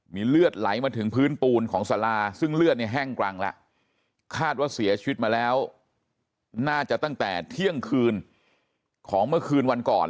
มีเลือดไหลมาถึงพื้นปูนของสาราซึ่งเลือดเนี่ยแห้งกรังแล้วคาดว่าเสียชีวิตมาแล้วน่าจะตั้งแต่เที่ยงคืนของเมื่อคืนวันก่อน